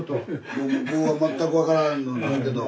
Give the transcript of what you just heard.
碁は全く分からんのんですけど。